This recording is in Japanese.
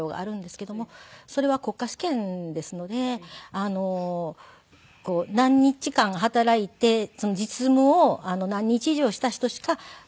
それは国家試験ですので何日間働いて実務を何日以上した人しか。